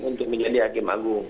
untuk menjadi hakim agung